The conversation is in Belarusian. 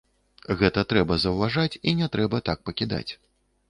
Гэта трэба заўважаць і не трэба так пакідаць.